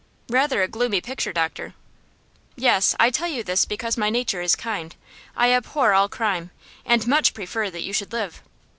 "Rather a gloomy picture, doctor." "Yes. I tell you this because my nature is kind. I abhor all crime, and much prefer that you should live.